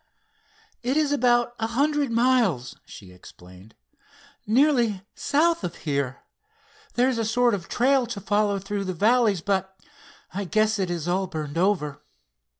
"It is about a hundred miles," she explained; "nearly south of here. There's a sort of trail to follow through the valleys, but I guess it's all burned over."